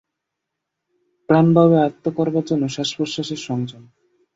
প্রাণবায়ুকে আয়ত্ত করবার জন্য শ্বাসপ্রশ্বাসের সংযম।